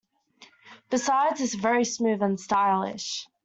Besides, it's very smooth and stylish.